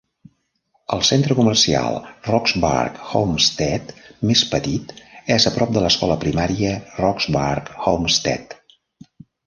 El centre comercial Roxburgh Homestead més petit és a prop de l'Escola Primària Roxburgh Homestead.